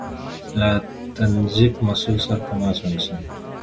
له تنظيف مسؤل سره تماس ونيسئ